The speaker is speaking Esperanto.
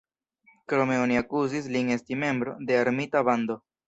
Krome oni akuzis lin esti membro de "armita bando".